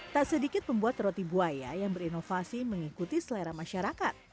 tak sedikit pembuat roti buaya yang berinovasi mengikuti selera masyarakat